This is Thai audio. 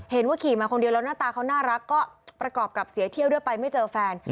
เห็นว่าขี่มาคนเดียวแล้วหน้าตาเขาน่ารักก็ประกอบกับเสียเที่ยวด้วยไปไม่เจอแฟน